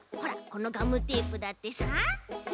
このガムテープだってさ。